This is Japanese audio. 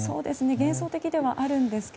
幻想的ではあるんですが。